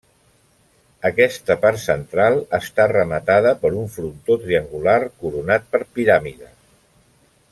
Aquesta part central està rematada per un frontó triangular coronat per piràmides.